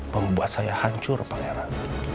membuat saya hancur pangeran